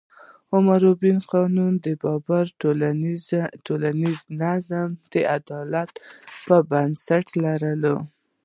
حموربي قانون د بابل ټولنیز نظم د عدالت په بنسټ لري.